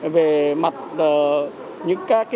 về mặt những cái phản ứng của cơ thể